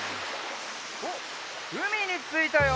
おっうみについたよ！